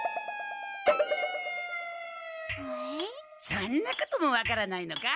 そんなことも分からないのか？